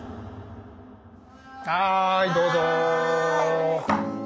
はいどうぞ！